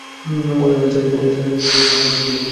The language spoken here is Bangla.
অয়েল সার্ভিস করিয়ে নাও, নয়তো বাইকের বারো বেজে যাবে।